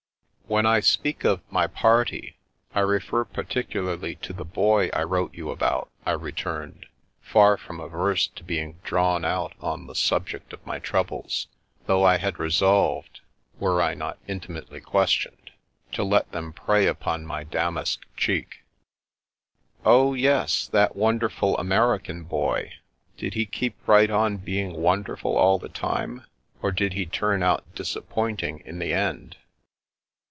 " When I speak of * my party ' I refer particularly to the boy I wrote you about," I returned, far from averse to being drawn out on the subject of my trou bles, though I had resolved, were I not intimately questioned, to let them prey upon my damask cheek. " Oh, yes, that wonderful American boy. Did he keep right on being wonderful all the time, or did he turn out disappointing in the end